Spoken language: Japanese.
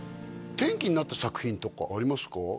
転機になった作品とかありますか？